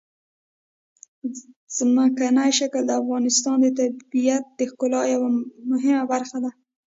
ځمکنی شکل د افغانستان د طبیعت د ښکلا یوه مهمه برخه ده.